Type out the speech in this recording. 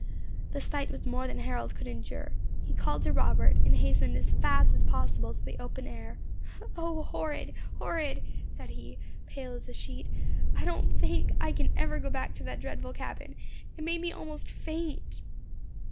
The sight was more than Harold could endure; he called to Robert, and hastened as fast as possible to the open air. "O, horrid! horrid!" said he, pale as a sheet. "I don't think I can ever go back to that dreadful cabin. It made me almost faint."